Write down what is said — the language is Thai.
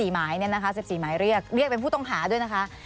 ๑๔หมายเรียกเรียกเป็นผู้ต้องหาด้วยนะคะ